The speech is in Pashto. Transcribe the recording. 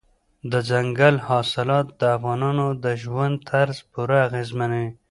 دځنګل حاصلات د افغانانو د ژوند طرز پوره اغېزمنوي.